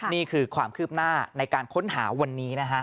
นี่คือความคืบหน้าในการค้นหาวันนี้นะฮะ